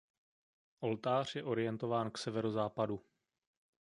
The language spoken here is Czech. Oltář je orientován k severozápadu.